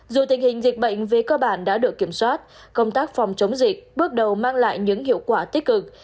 dù tình hình dịch bệnh về cơ bản đã được kiểm soát công tác phòng chống dịch bước đầu mang lại những hiệu quả tích cực